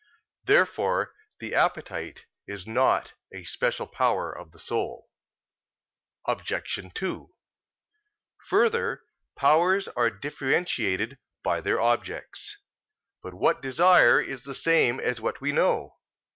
Therefore the appetite is not a special power of the soul. Obj. 2: Further, powers are differentiated by their objects. But what we desire is the same as what we know.